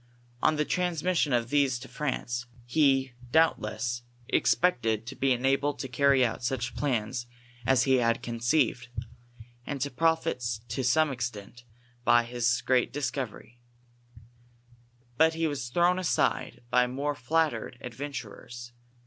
On the transmission of these IS!;;! m, ;■:! Izxx KOTICE ON THE BIETJB JOLLIET. to France, lie, doubtless, expected to be enabled to carry out sucli plans as he had conceiver', and to profit to °ome extent by his great discovery. But he was thrown aside by more flattered adventurers.